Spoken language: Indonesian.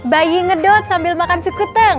bayi ngedot sambil makan sukuteng